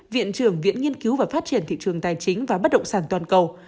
viện trưởng viện nghiên cứu và phát triển thị trường tài chính và bất động sản toàn cầu